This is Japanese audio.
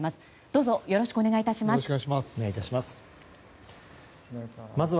どうぞよろしくお願い致します。